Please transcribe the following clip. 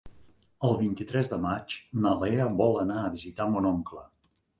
El vint-i-tres de maig na Lea vol anar a visitar mon oncle.